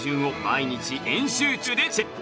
毎日全集中でチェック。